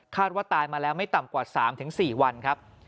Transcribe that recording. ว่าตายมาแล้วไม่ต่ำกว่า๓๔วันครับ